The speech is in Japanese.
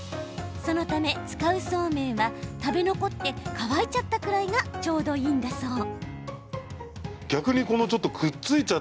そのため、使うそうめんは食べ残って乾いちゃったくらいがちょうどいいんだそう。